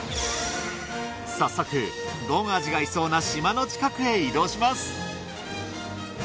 早速ごんあじがいそうな島の近くへ移動します！